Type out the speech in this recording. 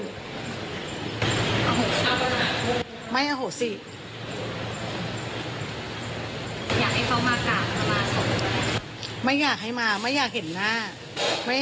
ไม่อยากให้เขามากล่าวมากล่าวไม่อยากให้มาไม่อยากเห็นหน้า